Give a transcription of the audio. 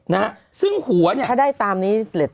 นะซึ่งหัวเนี่ย